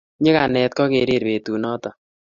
nyikanet ko kirir betut noto